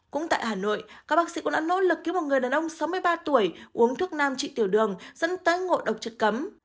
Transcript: cũng tại hà nội các bác sĩ cũng đã nỗ lực cứu một người đàn ông sáu mươi ba tuổi uống thuốc nam trị tiểu đường dẫn tới ngộ độc chất cấm